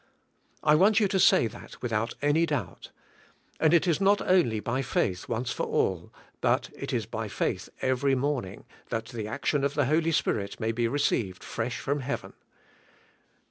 I want you to say that without any doubt. And it is not only by faith once for all, but it is by faith every morning , that the action of the Holy Spirit may be received fresh from heaven.